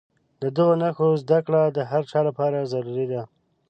د دغو نښو زده کړه د هر چا لپاره ضروري ده.